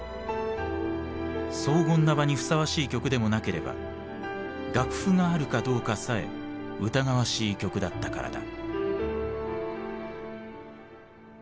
荘厳な場にふさわしい曲でもなければ楽譜があるかどうかさえ疑わしい曲だったからだ。